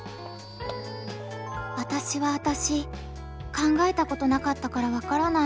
考えたことなかったからわからない。